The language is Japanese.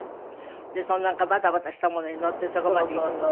そのなんかバタバタしたものに乗ってそこまで行くのね。